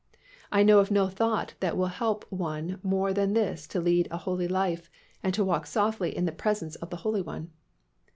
I know of no thought that will help one more than this to lead a holy life and to walk softly in the presence of the holy One.